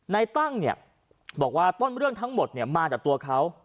ในตั้งเนี่ยบอกว่าต้นเรื่องทั้งหมดมาจากตัวเขา